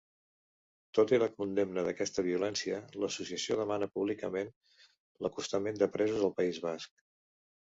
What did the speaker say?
Tot i la condemna d'aquesta violència l'associació demana públicament l'acostament de presos al País Basc.